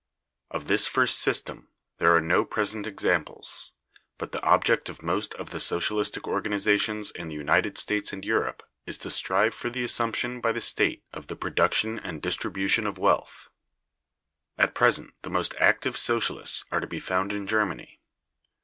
Of this first system there are no present examples; but the object of most of the socialistic organizations in the United States and Europe is to strive for the assumption by the state of the production and distribution of wealth.(147) At present the most active Socialists are to be found in Germany.